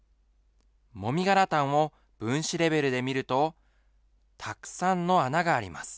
もみ殻炭を分子レベルで見ると、たくさんの穴があります。